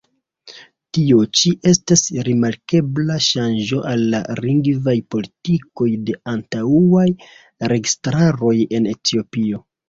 Tio ĉi estas rimarkebla ŝanĝo al la lingvaj politikoj de antaŭaj registaroj en Etiopio.